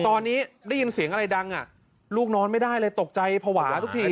ตอนนี้ได้ยินเสียงอะไรดังลูกนอนไม่ได้เลยตกใจภาวะทุกที